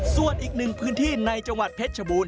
ส่วนอีกหนึ่งพื้นที่ในจังหวัดเพชรชบูรณ